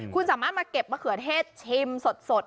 คุณสามารถมาเก็บมะเขือเทศชิมสด